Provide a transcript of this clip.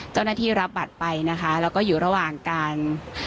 เจ้าหน้าที่รับบัตรไปนะคะแล้วก็อยู่ระหว่างการ